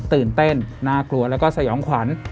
ตื่นเต้นน่ากลัวแล้วก็สยองขวัญ